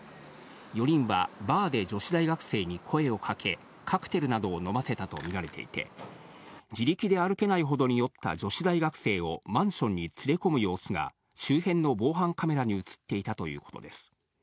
４人はバーで女子大学生に声をかけ、カクテルなどを飲ませたと見られていて、自力で歩けないほどに酔った女子大学生をマンションに連れ込む様子が、周辺の防犯カメラに写っていたということです。